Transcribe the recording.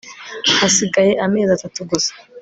hasigaye amezi atatu gusa